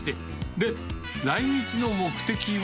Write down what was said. で、来日の目的は？